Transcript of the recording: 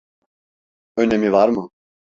Önemi var mı?